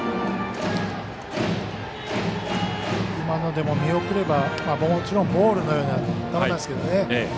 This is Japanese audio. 今のでも見送れば、もちろんボールのようですけどね。